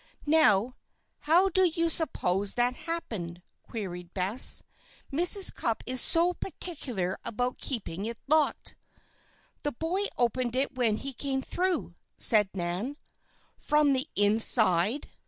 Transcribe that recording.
"Now, how do you suppose that happened?" queried Bess. "Mrs. Cupp is so particular about keeping it locked." "The boy opened it when he came through," said Nan. "_From the inside?